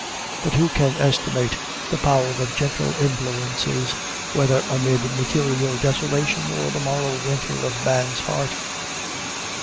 But who can estimate the power of gentle influences, whether amid material desolation or the moral winter of man's heart?